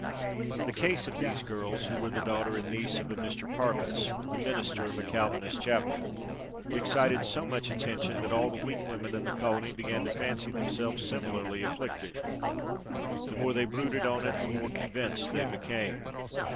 The case of these girls, who were the daughter and niece of a Mr. Parvis, the minister of a Calvinist chapel, excited so much attention, that all the weak women in the colony began to fancy themselves similarly afflicted. The more they brooded on it, the more convinced they became.